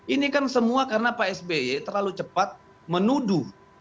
ini kan semua karena pak sby terlalu cepat menuduh